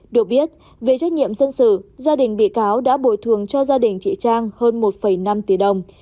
được biết về trách nhiệm dân sự gia đình bị cáo đã bồi thường cho gia đình chị trang hơn một năm tỷ đồng